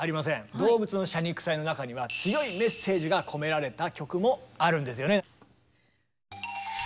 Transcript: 「動物の謝肉祭」の中には強いメッセージが込められた曲もあるんですよね。